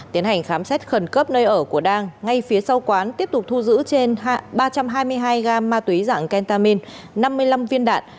tiến hành khám xét khẩn cấp nơi ở của đăng ngay phía sau quán tiếp tục thu giữ trên ba trăm hai mươi hai gam ma túy dạng kentamin năm mươi năm viên đạn